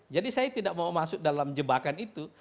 jadi saya tidak mau masuk dalam jebakan itu